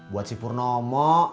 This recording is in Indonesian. buat si purnomo